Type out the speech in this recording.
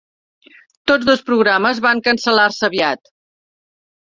Tots dos programes van cancel·lar-se aviat.